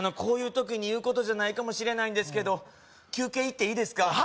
こういう時に言うことじゃないかもしれないんですけど休憩行っていいですか？